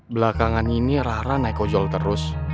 belakangan ini rara naik ojol terus